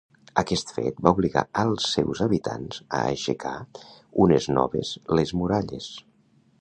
Aquest fet va obligar als seus habitants a aixecar unes noves les muralles.